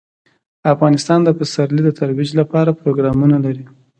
افغانستان د پسرلی د ترویج لپاره پروګرامونه لري.